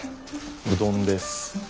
うどんです。